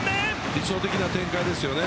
理想的な展開ですね。